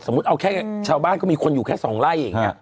สมมุติออกแค่ชาวบ้านก็มีคนอยู่แค่สองไล่